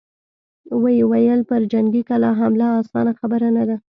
ويې ويل: پر جنګي کلا حمله اسانه خبره نه ده!